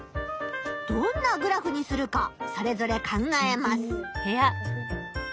どんなグラフにするかそれぞれ考えます。